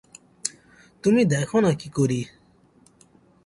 তুমি দেখ না কী করি।